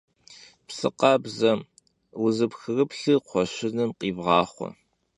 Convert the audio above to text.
Psı khabze, vuzıpxırıplhır kxhueşınım khivğaxhue.